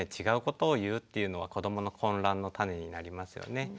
違うことを言うっていうのは子どもの混乱の種になりますよね。